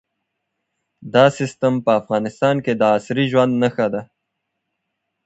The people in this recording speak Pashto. دا سیستم په افغانستان کې د عصري ژوند نښه ده.